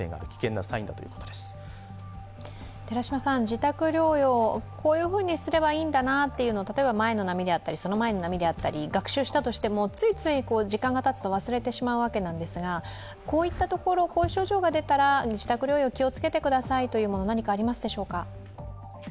自宅療養、こういうふうにすればいいんだなと例えば前の波であったりその前の波で学習したとしてもついつい時間がたつと忘れてしまうわけなんですがこういった症状が出たら自宅療養、気をつけてくださいといところ、何かありますか？